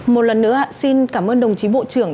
một lần nữa xin cảm ơn đồng chí bộ trưởng